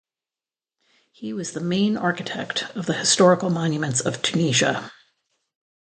He was the main architect of the historical monuments of Tunisia.